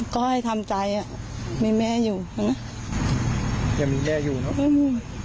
ก็ให้ทำใจอ่ะมีแม่อยู่นะยังมีแม่อยู่เนอะ